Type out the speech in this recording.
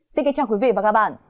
xin kính chào quý vị và các bạn